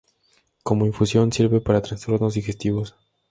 Como infusión sirve para trastornos digestivos.